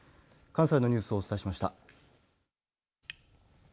関西のニュースをお伝えしました。